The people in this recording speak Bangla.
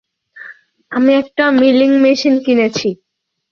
আমি একটা মিলিং মেশিন কিনেছি।